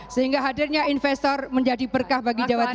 sehingga hadirnya investor menjadi berkah bagi jawa timur